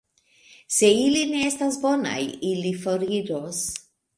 Se ili ne estas bonaj, ili foriros.